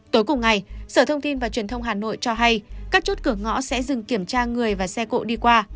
tối cùng ngày sở thông tin và truyền thông hà nội cho hay các chốt cửa ngõ sẽ dừng kiểm tra người và xe cộ đi qua